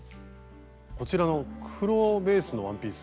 こちらの黒ベースのワンピース。